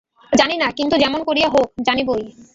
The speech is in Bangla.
জানি না, কিন্তু যেমন করিয়া হউক, জানিবই।